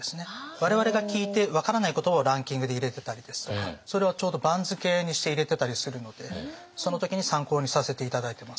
我々が聞いて分からない言葉をランキングで入れてたりですとかそれをちょうど番付にして入れてたりするのでその時に参考にさせて頂いてます。